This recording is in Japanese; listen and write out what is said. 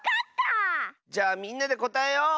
じゃあみんなでこたえよう！